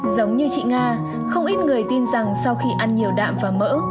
giống như chị nga không ít người tin rằng sau khi ăn nhiều đạm và mỡ